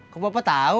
kok bapak tahu